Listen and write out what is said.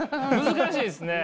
難しいですね。